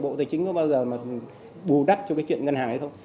bộ tài chính có bao giờ mà bù đắp cho cái chuyện ngân hàng ấy không